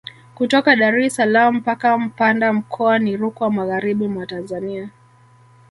Kutoka Dar es salaam mpaka Mpanda mkoa ni Rukwa magharibi mwa Tanzania